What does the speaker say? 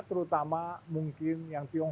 terutama mungkin yang